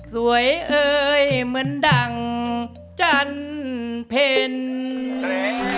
สวยเอ๋ยเหมือนดั่งจันทร์เพชร